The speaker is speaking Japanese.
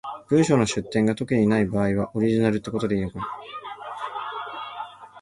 文章の出典が特にない場合は、オリジナルってことでいいのかな？